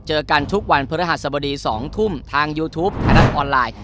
เจอกันทุกวันพฤหัสบดี๒ทุ่มทางยูทูปไทยรัฐออนไลน์